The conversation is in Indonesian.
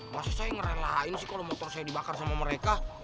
maksud saya ngerelain sih kalau motor saya dibakar sama mereka